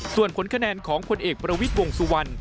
ส่วนผลคะแนนของผลเอกประวิทย์วงสุวรรณ